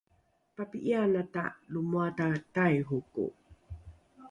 papi’ianata lo moata taihoko?